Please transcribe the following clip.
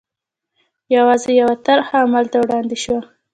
یوازې یوه طرحه عمل ته وړاندې شوه.